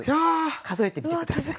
数えてみて下さい。